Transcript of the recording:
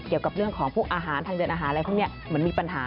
เกี่ยวกับเรื่องของพวกอาหารทางเดินอาหารอะไรพวกนี้เหมือนมีปัญหา